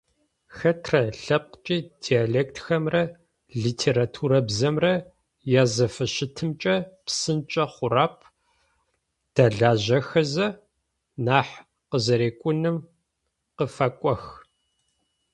Хэтрэ лъэпкъыкӏи диалектхэмрэ литературабзэмрэ язэфыщытыкӏэ псынкӏэ хъурэп, дэлажьэхэзэ нахь къызэрекӏуным къыфэкӏох.